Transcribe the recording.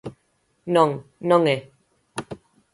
Non, non é.